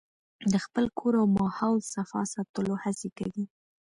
د خپل کور او ماحول صفا ساتلو هڅې کوي.